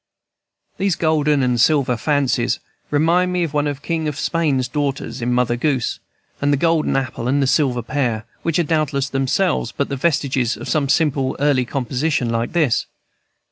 These golden and silver fancies remind one of the King of Spain's daughter in "Mother Goose," and the golden apple, and the silver pear, which are doubtless themselves but the vestiges of some simple early composition like this.